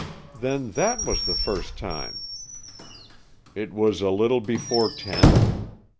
Then that was the first time!" "It was a little before ten?"